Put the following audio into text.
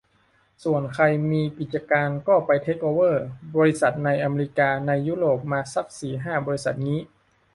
ส่วนใครมีกิจการก็ไปเทคโอเวอร์บริษัทในเมกาในยุโรปมาซักสี่ห้าบริษัทงี้